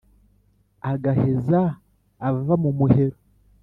agaheza abava mu muhero